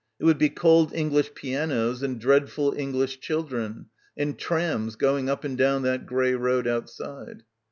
It would be cold English pianos and dreadful English children — and trams going up and down that grey road outside.